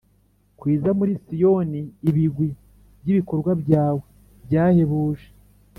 Kwiza muri Siyoni ibigwi by’ibikorwa byawe byahebuje,